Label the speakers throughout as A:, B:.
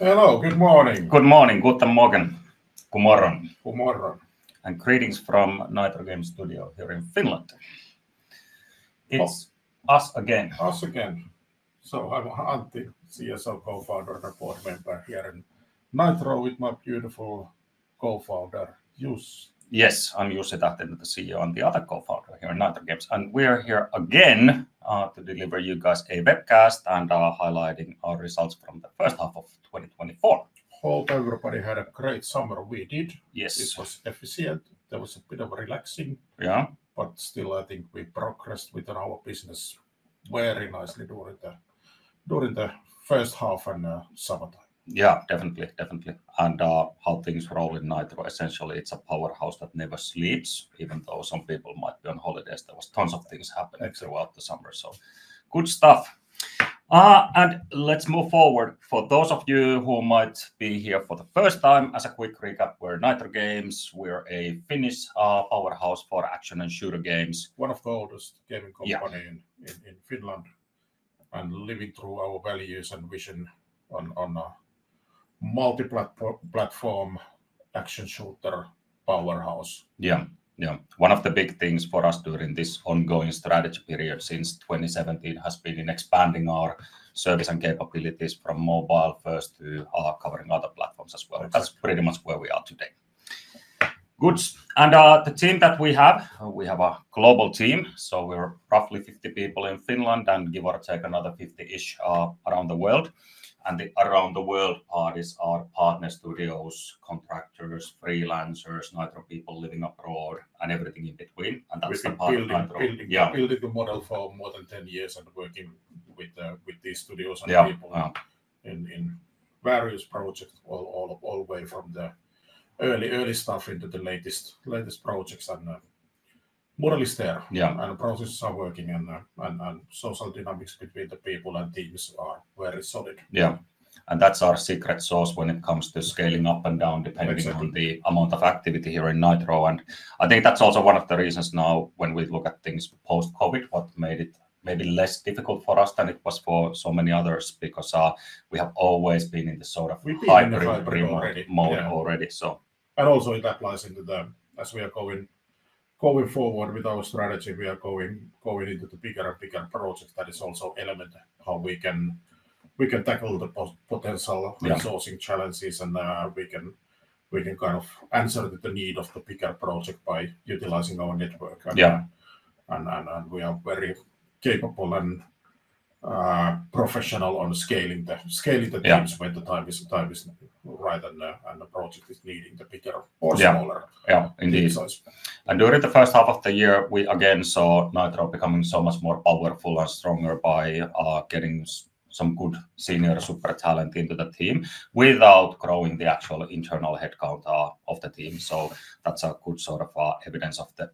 A: Hello. Good morning.
B: Good morning. Guten Morgen. Good morning.
A: Good morning.
B: Greetings from Nitro Games Studio here in Finland. It's us again.
A: Us again. So I'm Antti, CSO, co-founder, and board member here in Nitro with my beautiful co-founder, Jussi.
B: Yes, I'm Jussi Tähtinen, the CEO, and the other co-founder here in Nitro Games and we're here again to deliver you guys a webcast and highlighting our results from the first half of 2024.
A: Hope everybody had a great summer. We did.
B: Yes.
A: It was efficient. There was a bit of relaxing.
B: Yeah.
A: But still, I think we progressed with our business very nicely during the first half and summertime.
B: Yeah, definitely. Definitely and how things roll in Nitro, essentially, it's a powerhouse that never sleeps. Even though some people might be on holidays, there was tons of things happening.
A: Exactly.
B: Throughout the summer, so good stuff. And let's move forward. For those of you who might be here for the first time, as a quick recap, we're Nitro Games. We're a Finnish powerhouse for action and shooter games.
A: One of the oldest gaming company.
B: Yeah.
A: In Finland, and living through our values and vision on a multi-platform action shooter powerhouse.
B: Yeah, yeah. One of the big things for us during this ongoing strategy period since 2017 has been in expanding our service and capabilities from mobile first to covering other platforms as well.
A: Exactly.
B: That's pretty much where we are today. Good, and the team that we have, we have a global team, so we're roughly 50 people in Finland and give or take another 50-ish around the world, and the around the world part is our partner studios, contractors, freelancers, Nitro people living abroad, and everything in between, and that's the part-
A: We've been building.
B: Yeah.
A: Building the model for more than 10 years and working with these studios and.
B: Yeah.
A: People and in various projects, all the way from the early stuff into the latest projects. And, model is there.
B: Yeah.
A: And the processes are working, and social dynamics between the people and teams are very solid.
B: Yeah, and that's our secret sauce when it comes to scaling up and down, depending.
A: Exactly.
B: On the amount of activity here in Nitro, and I think that's also one of the reasons now when we look at things post-COVID, what made it maybe less difficult for us than it was for so many others, because, we have always been in the sort of.
A: We've been in Nitro.
B: Hybrid remote mode already.
A: Yeah.
B: So.
A: And also it applies into the, as we are going forward with our strategy, we are going into the bigger and bigger projects. That is also element how we can tackle the potential.
B: Yeah.
A: Resourcing challenges, and, we can, we can kind of answer the need of the bigger project by utilizing our network, and..
B: Yeah.
A: We are very capable and professional on scaling the teams.
B: Yeah.
A: When the time is right, and the project is needing the bigger.
B: Yeah.
A: Or smaller.
B: Yeah, indeed.
A: So.
B: During the first half of the year, we again saw Nitro becoming so much more powerful and stronger by getting some good senior super talent into the team without growing the actual internal headcount of the team. That's a good sort of evidence of the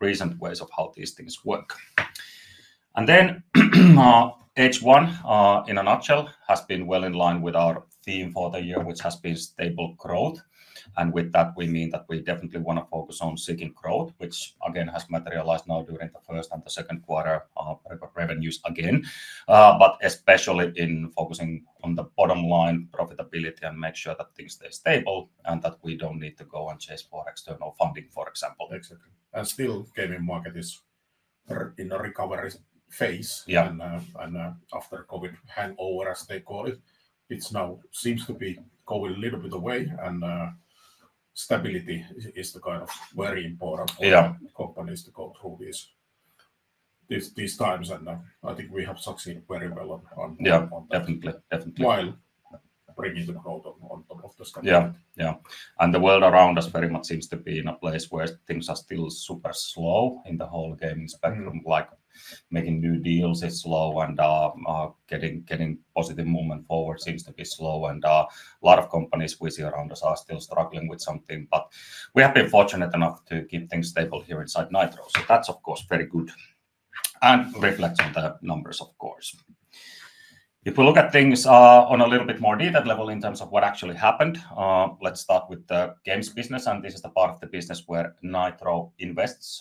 B: recent ways of how these things work. H1 in a nutshell has been well in line with our theme for the year, which has been stable growth, and with that, we mean that we definitely wanna focus on seeking growth, which again has materialized now during the first and the second quarter, record revenues again, but especially in focusing on the bottom line profitability and make sure that things stay stable and that we don't need to go and chase for external funding, for example.
A: Exactly, and still gaming market is in a recovery phase.
B: Yeah.
A: After COVID hangover, as they call it, it now seems to be going a little bit away, and stability is the kind of very important.
B: Yeah.
A: For companies to go through this, these times, and I think we have succeeded very well on.
B: Yeah, definitely, definitely.
A: While bringing the growth on top of the stability.
B: Yeah, yeah, and the world around us very much seems to be in a place where things are still super slow in the whole gaming spectrum.
A: Mm.
B: Like, making new deals is slow, and getting positive movement forward seems to be slow, and a lot of companies we see around us are still struggling with something, but we have been fortunate enough to keep things stable here inside Nitro, so that's, of course, very good and reflects on the numbers, of course. If we look at things on a little bit more detailed level in terms of what actually happened, let's start with the games business, and this is the part of the business where Nitro invests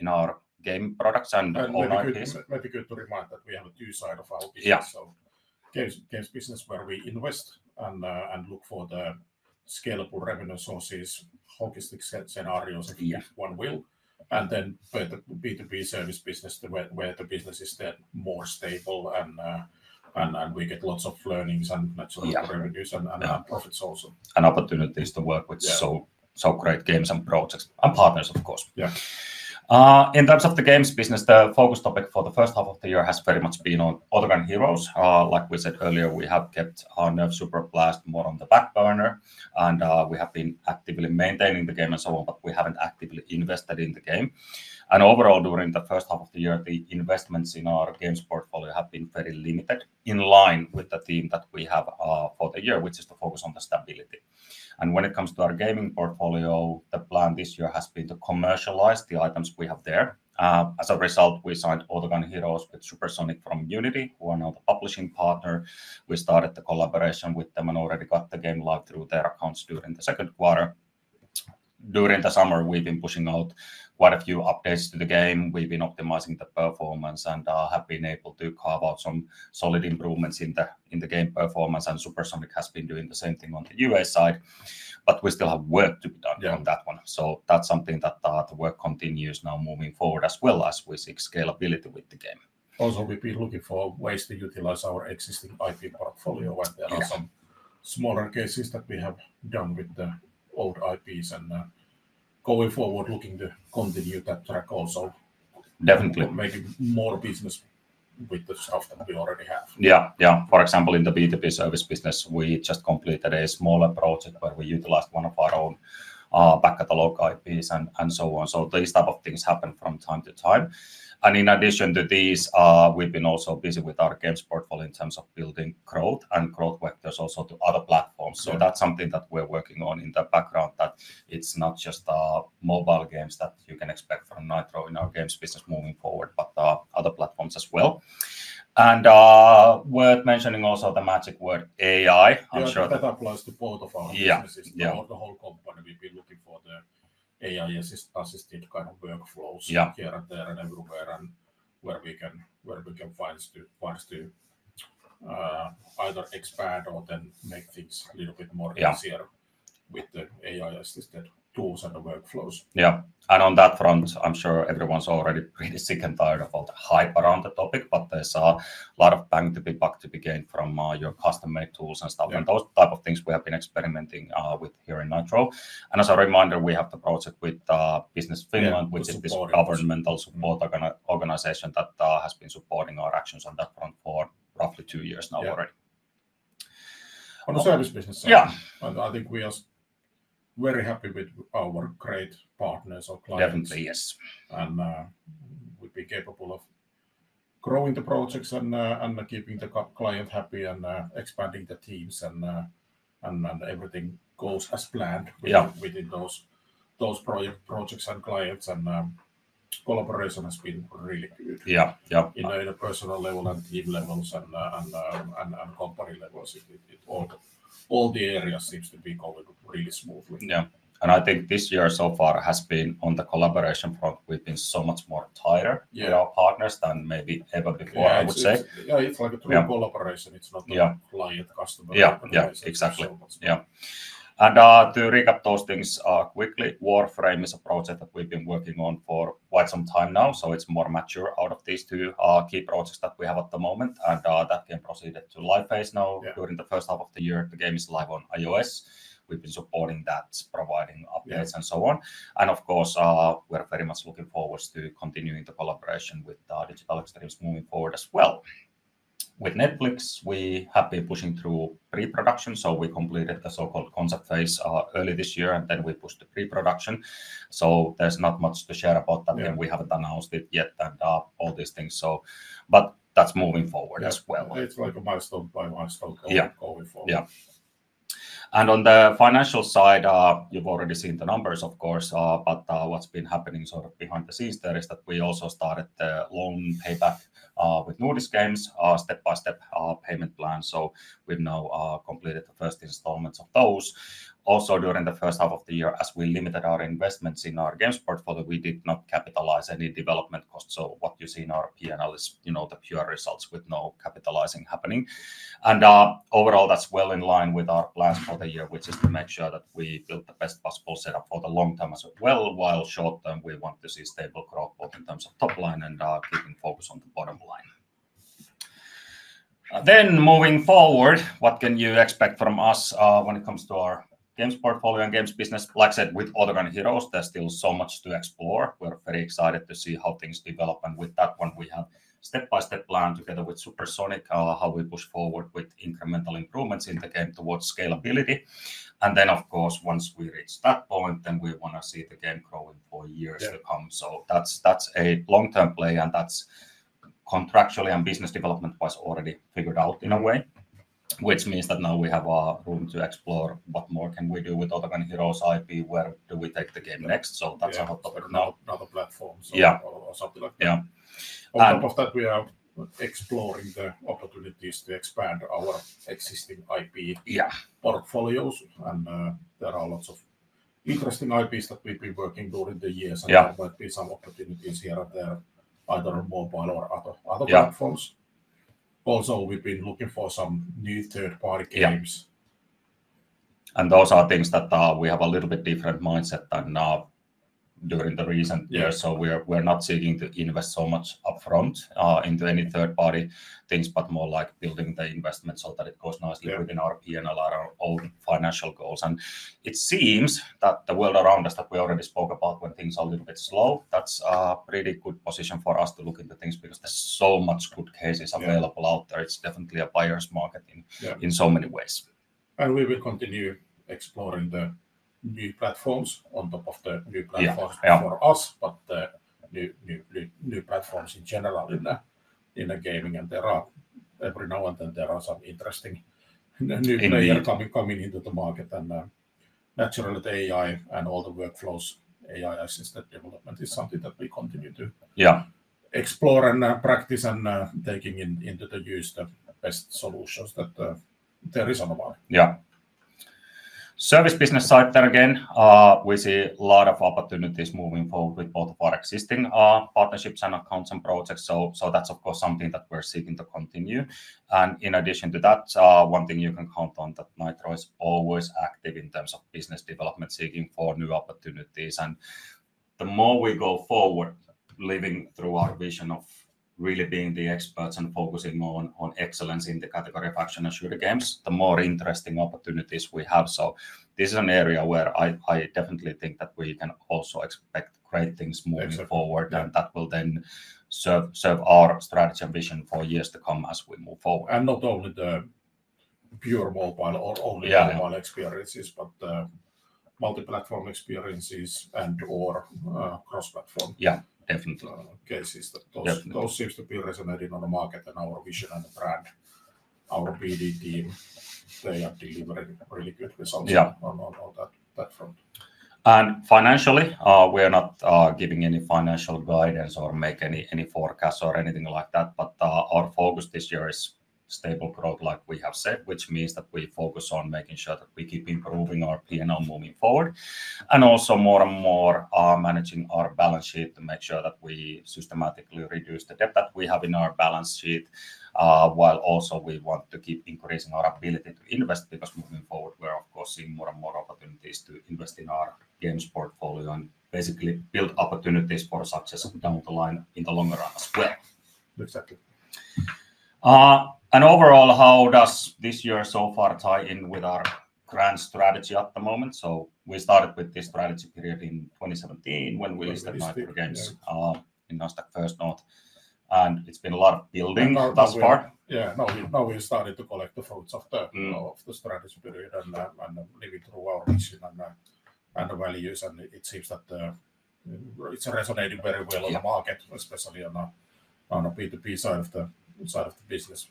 B: in our game products and.
A: Very good, very good to remind that we have a two side of our business.
B: Yeah.
A: Games, games business, where we invest and, and look for the scalable revenue sources, holistic set scenarios.
B: Yeah.
A: If one will, and then for the B2B service business, where the business is then more stable and, and we get lots of learnings and naturally.
B: Yeah.
A: Revenues and profits also.
B: Opportunities to work with.
A: Yeah.
B: So great games and projects and partners, of course.
A: Yeah.
B: In terms of the games business, the focus topic for the first half of the year has very much been on Autogun Heroes. Like we said earlier, we have kept our Nerf SuperBlast more on the back burner, and we have been actively maintaining the game and so on, but we haven't actively invested in the game, and overall, during the first half of the year, the investments in our games portfolio have been very limited, in line with the theme that we have for the year, which is to focus on the stability, and when it comes to our gaming portfolio, the plan this year has been to commercialize the items we have there. As a result, we signed Autogun Heroes with Supersonic from Unity, who are now the publishing partner.
A: We started the collaboration with them and already got the game live through their accounts during the second quarter. During the summer, we've been pushing out quite a few updates to the game. We've been optimizing the performance and have been able to carve out some solid improvements in the game performance, and Supersonic has been doing the same thing on the U.S. side, but we still have work to be done. Yeah.
B: On that one. So that's something that, the work continues now moving forward, as well as we seek scalability with the game.
A: Also, we've been looking for ways to utilize our existing IP portfolio, where there are.
B: Yeah.
A: Some smaller cases that we have done with the old IPs, and, going forward, looking to continue that track also.
B: Definitely.
A: Making more business with the stuff that we already have.
B: Yeah, yeah. For example, in the B2B service business, we just completed a smaller project where we utilized one of our own back catalog IPs and so on. So these type of things happen from time to time. And in addition to these, we've been also busy with our games portfolio in terms of building growth and growth vectors also to other platforms.
A: Yeah.
B: So that's something that we're working on in the background, that it's not just, mobile games that you can expect from Nitro in our games business moving forward, but, other platforms as well. And, worth mentioning, also the magic word, AI. I'm sure that.
A: Yeah, that applies to both of our businesses.
B: Yeah, yeah.
A: The whole company, we've been looking for the AI-assisted kind of workflows.
B: Yeah.
A: Here, and there, and everywhere, and where we can find ways to either expand or then make things a little bit more easier.
B: Yeah.
A: With the AI-assisted tools and the workflows.
B: Yeah, and on that front, I'm sure everyone's already pretty sick and tired of all the hype around the topic, but there's a lot of bang for the buck to be gained from your custom-made tools and stuff.
A: Yeah.
B: Those type of things we have been experimenting with here in Nitro. As a reminder, we have the project with Business Finland.
A: Yeah, with supporting.
B: Which is this governmental support organization that has been supporting our actions on that front for roughly two years now already.
A: Yeah. On the service business side.
B: Yeah.
A: I think we are very happy with our great partners or clients.
B: Definitely, yes.
A: We've been capable of growing the projects and keeping the client happy and everything goes as planned.
B: Yeah.
A: Within those projects and clients. And, collaboration has been really good.
B: Yeah. Yeah.
A: You know, in a personal level, and team levels, and company levels, it all the areas seems to be going really smoothly.
B: Yeah. And I think this year so far has been, on the collaboration front, we've been so much more tighter.
A: Yeah.
B: With our partners than maybe ever before, I would say.
A: Yeah, it's like a true collaboration.
B: Yeah.
A: It's not like client, customer relationship.
B: Yeah, yeah. Exactly. Yeah. And, to recap those things, quickly, Warframe is a project that we've been working on for quite some time now, so it's more mature out of these two, key projects that we have at the moment. And, that game proceeded to live phase now.
A: Yeah.
B: During the first half of the year. The game is live on iOS. We've been supporting that, providing updates and so on.
A: Yeah.
B: Of course, we're very much looking forward to continuing the collaboration with Digital Extremes moving forward as well. With Netflix, we have been pushing through pre-production, so we completed the so-called concept phase early this year, and then we pushed to pre-production, so there's not much to share about that game.
A: Yeah.
B: We haven't announced it yet, and all these things, so...but that's moving forward as well.
A: Yeah, it's like a milestone by milestone.
B: Yeah.
A: Going forward.
B: Yeah. And on the financial side, you've already seen the numbers, of course, but what's been happening sort of behind the scenes there is that we also started the loan payback with Nordisk Games, step-by-step payment plan, so we've now completed the first installments of those. Also, during the first half of the year, as we limited our investments in our games portfolio, we did not capitalize any development costs. So what you see in our P&L is, you know, the pure results with no capitalizing happening. And overall, that's well in line with our plans for the year, which is to make sure that we build the best possible setup for the long term as well. While short term, we want to see stable growth both in terms of top line and keeping focus on the bottom line.
A: Then moving forward, what can you expect from us, when it comes to our games portfolio and games business? Like I said, with Autogun Heroes, there's still so much to explore. We're very excited to see how things develop, and with that one, we have step-by-step plan together with Supersonic, how we push forward with incremental improvements in the game towards scalability. And then, of course, once we reach that point, then we want to see the game growing for years to come. Yeah.
B: That's a long-term play, and that's contractually and business development was already figured out in a way, which means that now we have room to explore what more can we do with Autogun Heroes IP? Where do we take the game next?
A: Yeah.
B: So that's on top of it now.
A: Other platforms.
B: Yeah.
A: Or something like that.
B: Yeah. And.
A: On top of that, we are exploring the opportunities to expand our existing IP.
B: Yeah.
A: Portfolios, and there are lots of interesting IPs that we've been working during the years.
B: Yeah.
A: And there might be some opportunities here and there, either mobile or other platforms.
B: Yeah.
A: Also, we've been looking for some new third-party games.
B: Yeah. And those are things that we have a little bit different mindset than during the recent years.
A: Yeah.
B: We’re not seeking to invest so much upfront into any third-party things, but more like building the investment so that it goes nicely.
A: Yeah.
B: Within our P&L and our own financial goals. And it seems that the world around us, that we already spoke about, when things are a little bit slow, that's a pretty good position for us to look into things, because there's so much good cases available out there.
A: Yeah.
B: It's definitely a buyer's market in.
A: Yeah.
B: In so many ways.
A: We will continue exploring the new platforms on top of the new platforms.
B: Yeah, yeah.
A: For us, but the new platforms in general.
B: Yeah.
A: In the gaming. There are, every now and then, there are some interesting new player.
B: In the.
A: Coming into the market. And, naturally, the AI and all the workflows, AI-assisted development is something that we continue to.
B: Yeah.
A: Explore and, practice and, taking in into the use the best solutions that, there is on the market.
B: Yeah. Service business side, then again, we see a lot of opportunities moving forward with both of our existing partnerships and accounts and projects. So, so that's of course something that we're seeking to continue. And in addition to that, one thing you can count on, that Nitro is always active in terms of business development, seeking for new opportunities. And the more we go forward, living through our vision of really being the experts and focusing more on excellence in the category of action and shooter games, the more interesting opportunities we have. So this is an area where I definitely think that we can also expect great things moving forward.
A: Exactly.
B: And that will then serve our strategy and vision for years to come as we move forward.
A: And not only the pure mobile or only.
B: Yeah.
A: Mobile experiences, but, multi-platform experiences and or, cross-platform.
B: Yeah, definitely.
A: Uh, cases.
B: Definitely.
A: Those seems to be resonating on the market and our vision and the brand, our BD team, they are delivering really good results.
B: Yeah.
A: On that front.
B: Financially, we are not giving any financial guidance or make any forecasts or anything like that, but our focus this year is stable growth like we have said, which means that we focus on making sure that we keep improving our P&L moving forward. Also more and more managing our balance sheet to make sure that we systematically reduce the debt that we have in our balance sheet while also we want to keep increasing our ability to invest. Because moving forward, we are of course seeing more and more opportunities to invest in our games portfolio and basically build opportunities for success down the line in the longer run as well.
A: Exactly.
B: And overall, how does this year so far tie in with our grand strategy at the moment? So we started with this strategy period in 2017 when we listed Nitro Games.
A: When we listed, yeah.
B: In Nasdaq First North, and it's been a lot of building thus far.
A: Yeah, now we've started to collect the fruits of the.
B: Mm
A: Of the strategy period and living through our mission and the values. And it seems that it's resonating very well.
B: Yeah.
A: On the market, especially on the B2B side of the business.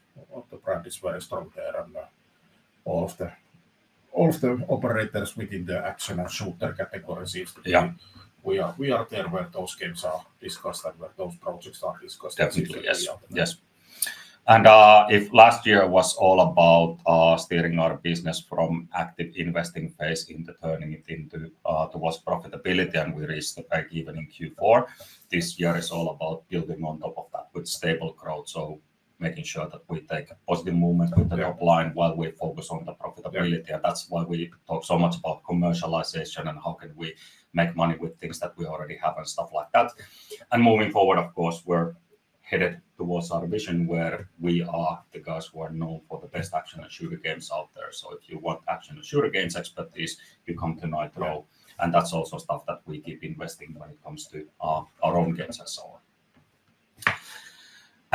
A: The brand is very strong there, and all of the operators within the action and shooter category seems to be.
B: Yeah.
A: We are there where those games are discussed and where those projects are discussed.
B: Definitely.
A: Yes, yes.
B: If last year was all about steering our business from active investing phase into turning it towards profitability, and we reached the breakeven in Q4, this year is all about building on top of that with stable growth. So making sure that we take a positive movement.
A: Right
B: With the top line while we focus on the profitability.
A: Yeah.
B: That's why we talk so much about commercialization and how can we make money with things that we already have and stuff like that. Moving forward, of course, we're headed towards our vision, where we are the guys who are known for the best action and shooter games out there. If you want action and shooter games expertise, you come to Nitro.
A: Yeah.
B: That's also stuff that we keep investing when it comes to our own games and so on.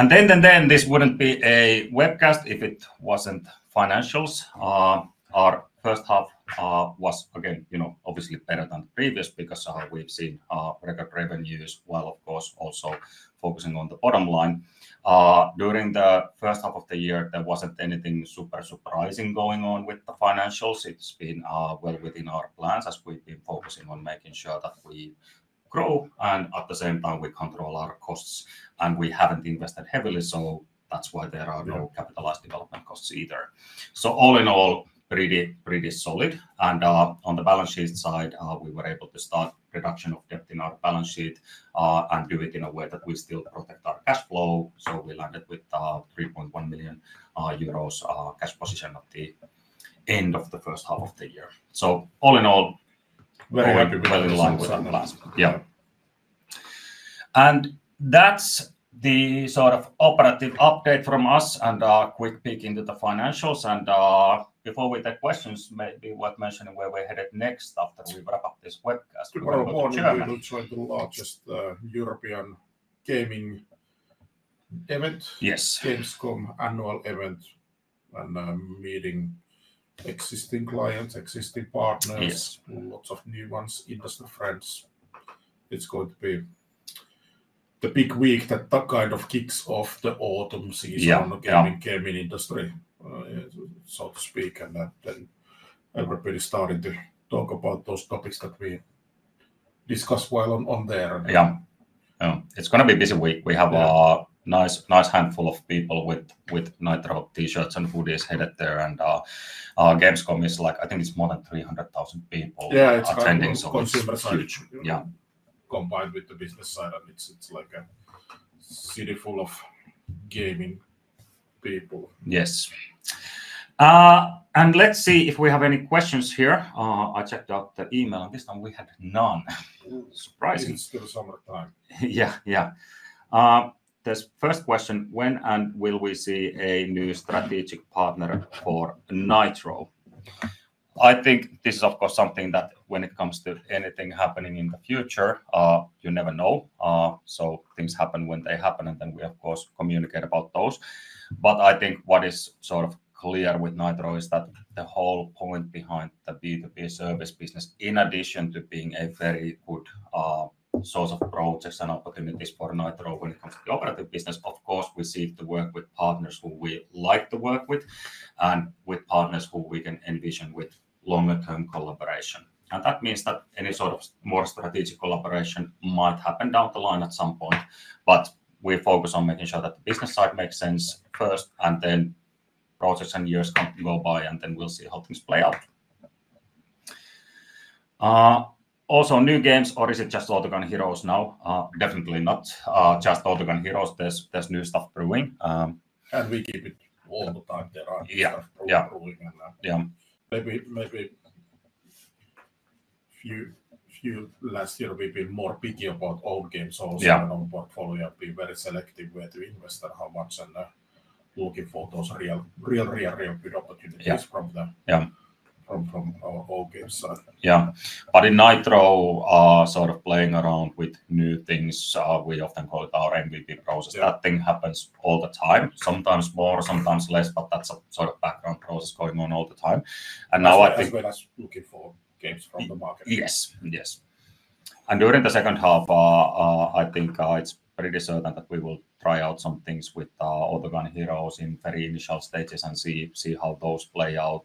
B: This wouldn't be a webcast if it wasn't financials. Our first half was again, you know, obviously better than the previous, because we've seen record revenues, while of course, also focusing on the bottom line. During the first half of the year, there wasn't anything super surprising going on with the financials. It's been well within our plans as we've been focusing on making sure that we grow, and at the same time, we control our costs, and we haven't invested heavily, so that's why there are.
A: Yeah.
B: No capitalized development costs either, so all in all, pretty, pretty solid, and on the balance sheet side, we were able to start reduction of debt in our balance sheet, and do it in a way that we still protect our cash flow, so we landed with 3.1 million euros cash position at the end of the first half of the year, so all in all.
A: Very well. In line with our plans.
B: Yeah. That's the sort of operational update from us and a quick peek into the financials. Before we take questions, maybe worth mentioning where we're headed next after we wrap up this webcast.
A: Tomorrow morning.
B: Yeah.
A: We will join the largest European gaming event.
B: Yes.
A: Gamescom annual event, and meeting existing clients, existing partners.
B: Yes.
A: Lots of new ones, industry friends. It's going to be the big week that kind of kicks off the autumn season.
B: Yeah, yeah.
A: On the gaming industry, so to speak, and that then everybody starting to talk about those topics that we discuss while on there.
B: Yeah. It's gonna be a busy week.
A: Yeah.
B: We have a nice handful of people with Nitro T-shirts and hoodies headed there, and Gamescom is like... I think it's more than 300,000 people.
A: Yeah.
B: Attending.
A: Consumer side.
B: It's huge. Yeah.
A: Combined with the business side, and it's, it's like a city full of gaming people.
B: Yes, and let's see if we have any questions here. I checked out the email, and this time we had none. Surprising.
A: It's still summertime.
B: Yeah, yeah. This first question, when and will we see a new strategic partner for Nitro? I think this is, of course, something that when it comes to anything happening in the future, you never know, so things happen when they happen, and then we, of course, communicate about those, but I think what is sort of clear with Nitro is that the whole point behind the B2B service business, in addition to being a very good source of projects and opportunities for Nitro when it comes to the operative business, of course, we seek to work with partners who we like to work with, and with partners who we can envision with longer-term collaboration.
A: And that means that any sort of more strategic collaboration might happen down the line at some point, but we focus on making sure that the business side makes sense first, and then projects and years go by, and then we'll see how things play out. Also new games, or is it just Autogun Heroes now? Definitely not, just Autogun Heroes. There's new stuff brewing. We keep it all the time.
B: Yeah, yeah.
A: Brewing and that.
B: Yeah.
A: Maybe few last year we've been more picky about old games also.
B: Yeah.
A: And our portfolio be very selective where to invest and how much, and looking for those real, real, real, real good opportunities.
B: Yeah.
A: From the.
B: Yeah.
A: From our old games side.
B: Yeah. But in Nitro, sort of playing around with new things, we often call it our MVP process.
A: Yeah.
B: That thing happens all the time, sometimes more, sometimes less, but that's a sort of background process going on all the time. And now I think.
A: As well as looking for games from the market.
B: Yes. Yes. During the second half, I think it's pretty certain that we will try out some things with Autogun Heroes in very initial stages and see how those play out.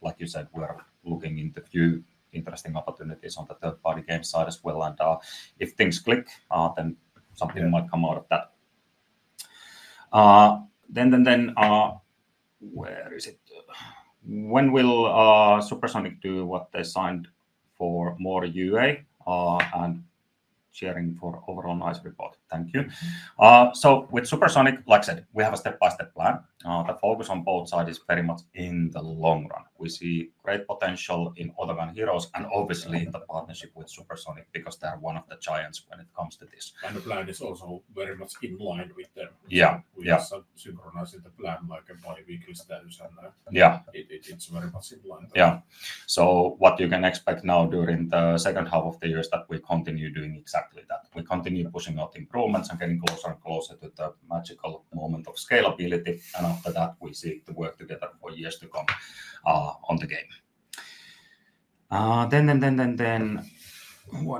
B: Like you said, we are looking into few interesting opportunities on the third-party game side as well, and if things click, then something might come out of that. When will Supersonic do what they signed for more UA? Cheering for overall nice report. Thank you. With Supersonic, like I said, we have a step-by-step plan. The focus on both sides is very much in the long run. We see great potential in Autogun Heroes, and obviously in the partnership with Supersonic because they are one of the giants when it comes to this.
A: And the plan is also very much in line with them.
B: Yeah, yeah.
A: We are synchronizing the plan, like, everybody weekly status, and.
B: Yeah.
A: It's very much in line.
B: Yeah. So what you can expect now during the second half of the year is that we continue doing exactly that. We continue pushing out improvements and getting closer and closer to the magical moment of scalability, and after that, we seek to work together for years to come on the game. What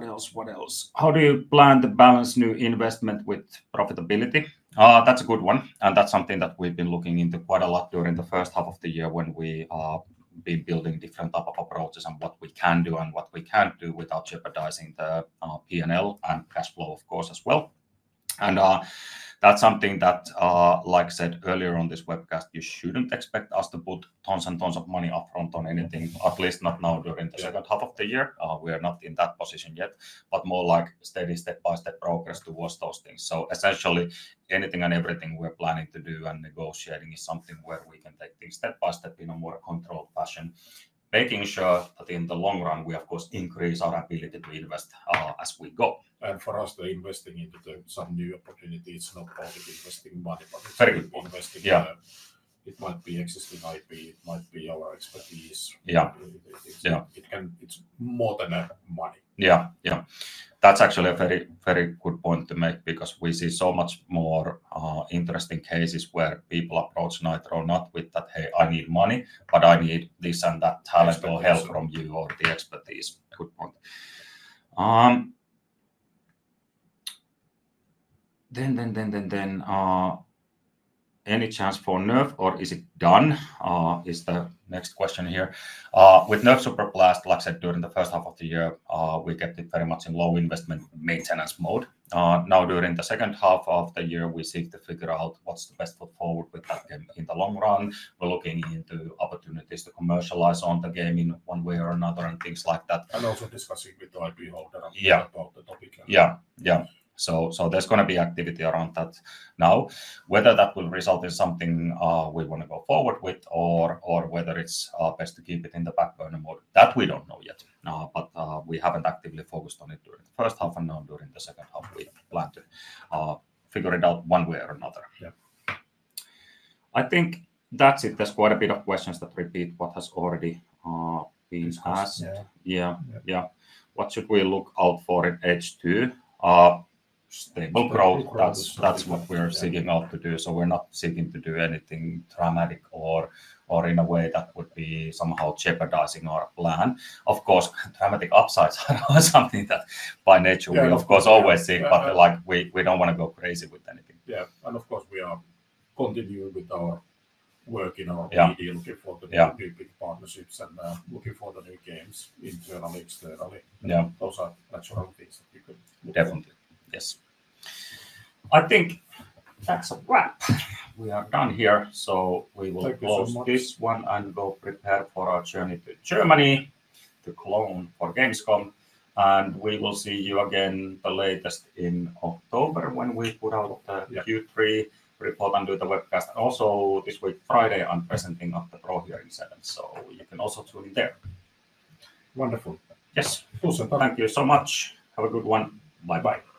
B: else? What else? How do you plan to balance new investment with profitability? That's a good one, and that's something that we've been looking into quite a lot during the first half of the year when we been building different type of approaches on what we can do and what we can't do without jeopardizing the P&L and cash flow, of course, as well.
A: That's something that, like I said earlier on this webcast, you shouldn't expect us to put tons and tons of money up front on anything, at least not now during the second half of the year. Yeah.
B: We are not in that position yet, but more like steady, step-by-step progress towards those things. So essentially, anything and everything we're planning to do and negotiating is something where we can take things step by step in a more controlled fashion, making sure that in the long run, we of course increase our ability to invest as we go.
A: For us, investing into some new opportunities, not only investing money.
B: Very good.
A: But investing.
B: Yeah.
A: It might be existing IP, it might be our expertise.
B: Yeah, yeah.
A: It's more than money.
B: Yeah, yeah. That's actually a very, very good point to make because we see so much more interesting cases where people approach Nitro not with that, "Hey, I need money, but I need this and that talent or help from you.
A: Exactly.
B: Or the expertise." Good point. Any chance for Nerf or is it done? Is the next question here. With Nerf Superblast, like I said, during the first half of the year, we kept it very much in low investment maintenance mode. Now during the second half of the year, we seek to figure out what's the best foot forward with that game in the long run. We're looking into opportunities to commercialize on the game in one way or another, and things like that.
A: And also discussing with the IP holder.
B: Yeah.
A: About the topic.
B: Yeah, yeah. There's gonna be activity around that. Now, whether that will result in something we wanna go forward with or whether it's best to keep it in the back burner mode, that we don't know yet, but we haven't actively focused on it during the first half, and now during the second half, we plan to figure it out one way or another.
A: Yeah.
B: I think that's it. There's quite a bit of questions that repeat what has already been asked.
A: Discussed. Yeah.
B: Yeah, yeah. What should we look out for in H2? Stable growth.
A: Stable growth.
B: That's what we're seeking out to do.
A: Yeah.
B: So we're not seeking to do anything dramatic or, or in a way that would be somehow jeopardizing our plan. Of course, dramatic upsides are something that by nature.
A: Yeah.
B: We of course always seek, but, like, we don't wanna go crazy with anything.
A: Yeah, and of course we are continuing with our work in our B2B.
B: Yeah.
A: Looking for the.
B: Yeah.
A: Big, big partnerships and, looking for the new games internally, externally.
B: Yeah.
A: Those are natural things that we could-
B: Definitely. Yes. I think that's a wrap. We are done here, so we will.
A: Thank you so much.
B: Close this one and go prepare for our journey to Germany, to Cologne for Gamescom. And we will see you again the latest in October when we put out the.
A: Yeah.
B: Q3 report and do the webcast, and also this week, Friday, I'm presenting at the ProHearings event, so you can also tune in there.
A: Wonderful.
B: Yes.
A: Awesome.
B: Thank you so much. Have a good one. Bye-bye.